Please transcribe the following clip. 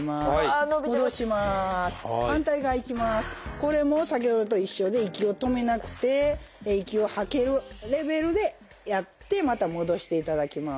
これも先ほどと一緒で息を止めなくて息を吐けるレベルでやってまた戻していただきます。